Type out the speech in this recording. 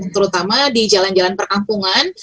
terutama di jalan jalan perkampungan